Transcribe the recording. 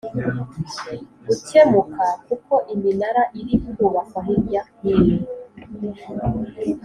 gukemuka kuko iminara iri kubakwa hirya hino